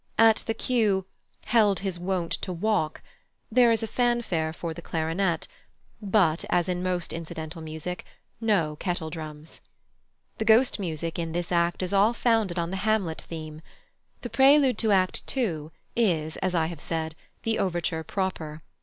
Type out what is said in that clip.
At the cue, "Held his wont to walk," there is a fanfare for the clarinet, but, as in most incidental music, no kettledrums. The Ghost music in this act is all founded on the Hamlet theme. The prelude to Act ii. is, as I have said, the overture proper.